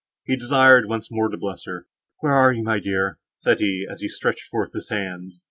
He desired once more to bless her; "Where are you, my dear?" said he, as he stretched forth his hands.